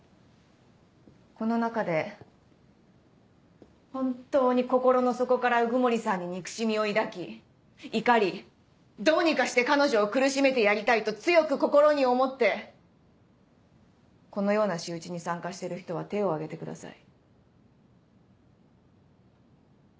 この中で本当に心の底から鵜久森さんに憎しみを抱き怒りどうにかして彼女を苦しめてやりたいと強く心に思ってこのような仕打ちに参加してる人は手を挙げてください。